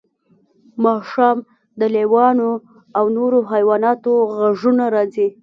ماښام د لیوانو او نورو حیواناتو غږونه راځي